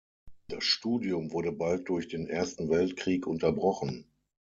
Das Studium wurde bald durch den Ersten Weltkrieg unterbrochen.